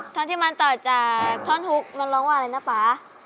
ท่อนที่มันต่อจากท่อนฮุกมันร้องว่าอะไรนะป๊า